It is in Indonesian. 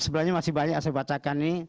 sebenarnya masih banyak saya bacakan ini